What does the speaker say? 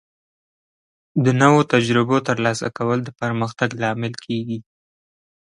د نوو تجربو ترلاسه کول د پرمختګ لامل کیږي.